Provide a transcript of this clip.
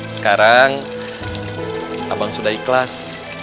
sekarang abang sudah ikhlas